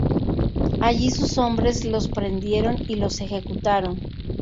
Allí sus hombres los prendieron y los ejecutaron.